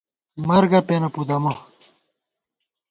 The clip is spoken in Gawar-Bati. مرگہ پېنہ پُدَمہ